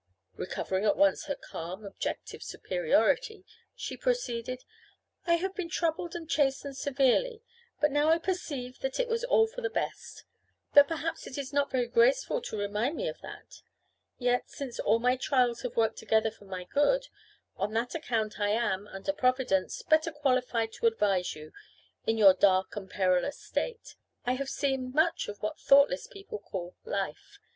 Recovering at once her calm objective superiority, she proceeded: "I have been troubled and chastened severely, but now I perceive that it was all for the best. But perhaps it is not very graceful to remind me of that. Yet, since all my trials have worked together for my good, on that account I am, under Providence, better qualified to advise you, in your dark and perilous state. I have seen much of what thoughtless people call 'life.